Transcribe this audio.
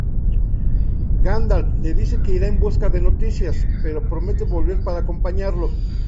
Gandalf le dice que irá en busca de noticias, pero promete volver para acompañarlo.